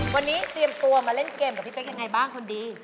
วันนี้เตรียมตัวมาเล่นเกมกับพี่เป๊กยังไงบ้างคนดี